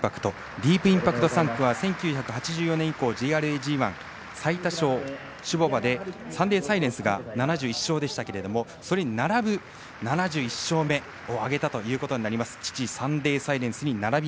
ディープインパクト産駒は１９８４年以降、ＪＲＡ、ＧＩ最多勝馬でサンデーサイレンスが７１勝でしたけどもそれに並ぶ７１勝目を挙げたということになります。